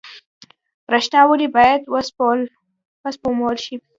برښنا ولې باید وسپمول شي؟